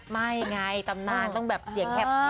ไม่ไงตำนานต้องแบบเสียงแหบ